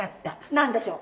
何でしょう？